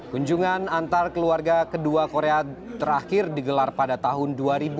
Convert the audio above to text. kunjungan antar keluarga kedua korea terakhir digelar pada tahun dua ribu dua puluh